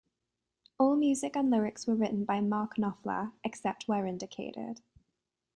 All music and lyrics were written by Mark Knopfler, except where indicated.